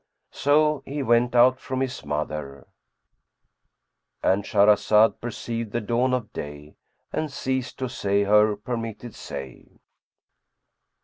'" So he went out from his mother,—And Shahrazad perceived the dawn of day and ceased to say her permitted say.